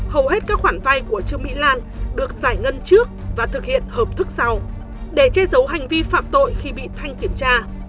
hầu hết các khoản vay của trương mỹ lan được giải ngân trước và thực hiện hợp thức sau để che giấu hành vi phạm tội khi bị thanh kiểm tra